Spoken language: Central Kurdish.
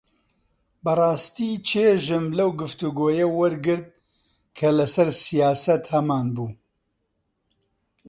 بەڕاستی چێژم لەو گفتوگۆیە وەرگرت کە لەسەر سیاسەت هەمانبوو.